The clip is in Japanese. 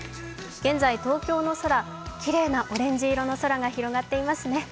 現在、東京の空、きれいなオレンジ色の空が広がっていますね。